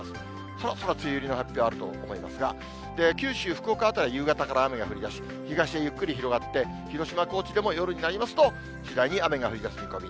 そろそろ梅雨入りの発表、あると思いますが、九州・福岡辺りは夕方から雨が降りだし、東へゆっくり広がって、広島、高知でも夜になりますと、次第に雨が降りだす見込み。